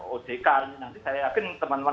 odk nanti saya yakin teman teman